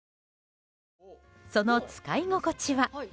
その使い心地は。